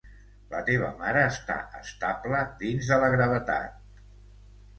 La teva mare està estable dins de la gravetat.